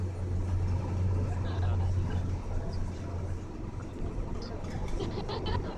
Vidonda hujitokeza katika maeneo mbalimbali ya ngozi